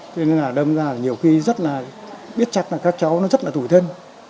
thế nên là đâm ra nhiều khi rất là biết chặt là các cháu nó rất là tùy thân